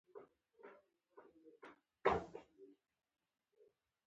اسمان تخته اوریځ په غیږ ګرځي